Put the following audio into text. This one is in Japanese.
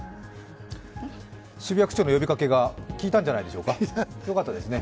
渋谷区長の呼びかけがきいたんじゃないでしょうかよかったですね。